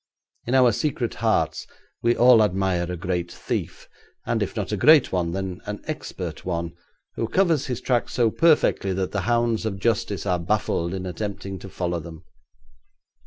In our secret hearts we all admire a great thief, and if not a great one, then an expert one, who covers his tracks so perfectly that the hounds of justice are baffled in attempting to follow them.